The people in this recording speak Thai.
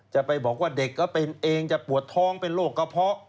จะไปบอกว่าเด็กก็เป็นเองจะปวดท้องเป็นโรคกระเพาะ